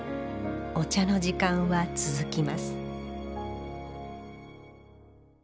「お茶の時間」は続きます